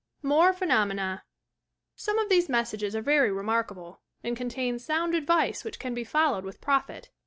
UORB PHENOUENA Some of these messages are very remarkable, and con tain sound advice which can be followed with profit.